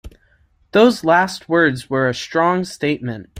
Those last words were a strong statement.